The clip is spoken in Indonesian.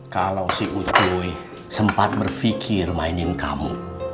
kalau si utuh sempat berpikir mainin kamu